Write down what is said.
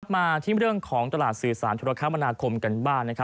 มาที่เรื่องของตลาดสื่อสารธุรกรรมนาคมกันบ้าน